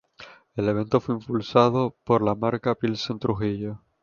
El evento fue impulsado por la marca Pilsen Trujillo.